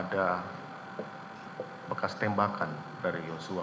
ada bekas tembakan dari yosua